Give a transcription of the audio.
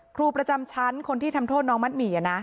ครูประจำชั้นคนที่ทำโทษน้องมัดหมี่นะ